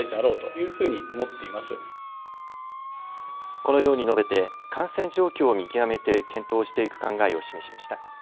このように述べて感染状況を見極めて検討していく考えを示しました。